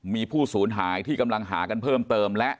มีผู้สูญหายที่กำลังหากันเพิ่มเติมและ